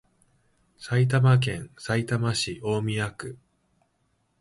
埼玉県さいたま市大宮区